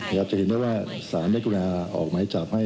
ครับจะเห็นได้ว่าสารได้กรุณาออกมาจับ